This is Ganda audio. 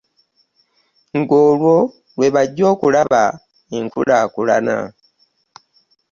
Nga olwo lwe bajja okulaba enkulaakulana.